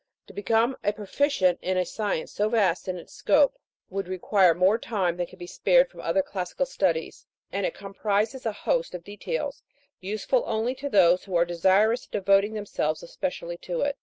To become a proficient in a science so vast in its scope, w r ould require more time than can be spared from other classical studies, and it comprises a host of details useful only to those who are desirous of devoting themselves especially to it.